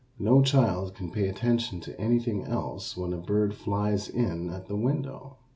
No child can pay attention to anything else when a bird flies in at the window.